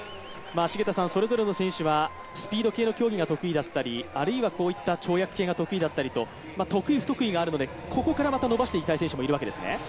それぞれの選手はスピード系の競技が得意だったりあるいはこういった跳躍系が得意だったりと、得意不得意があるので、ここからまた伸ばしていきたい選手もいるわけですね。